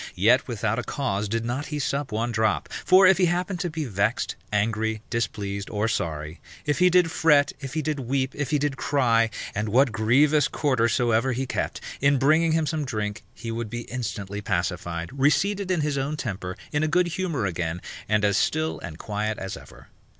Yet without a cause did not he sup one drop; for if he happened to be vexed, angry, displeased, or sorry, if he did fret, if he did weep, if he did cry, and what grievous quarter soever he kept, in bringing him some drink, he would be instantly pacified, reseated in his own temper, in a good humour again, and as still and quiet as ever.